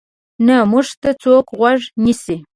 نه موږ ته څوک غوږ نیسي.